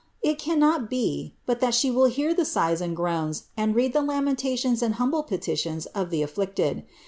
It eamiot be, but that she will hear the sighs and groans, and read the lamentations and biunble petitions of the afflicted.